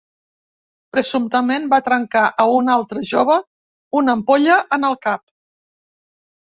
Presumptament va trencar a un altre jove una ampolla en el cap.